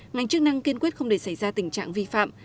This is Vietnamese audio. ngành chức năng kiên quyết không để xảy ra tình trạng vi phạm